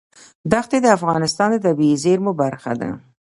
دښتې د افغانستان د طبیعي زیرمو برخه ده.